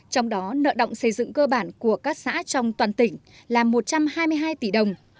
trong đó nợ động xây dựng cơ bản của các xã trong toàn tỉnh là một trăm hai mươi hai tỷ đồng